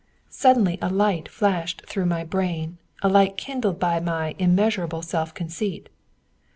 Suddenly a light flashed through my brain, a light kindled by my immeasurable self conceit.